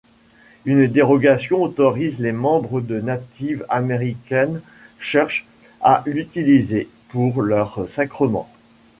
Une dérogation autorise les membres de Native American Church à l'utiliser pour leurs sacrements.